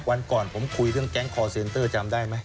วันก่อนผมคุยเรื่องแก๊งคอร์เซ็นเตอร์จำได้ไหม